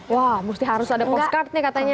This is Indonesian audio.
wah mesti harus ada postcard nih katanya